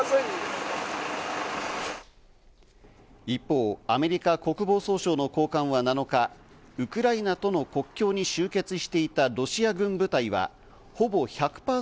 一方、アメリカ国防総省の高官は７日、ウクライナとの国境に集結していたロシア軍部隊はほぼ１００％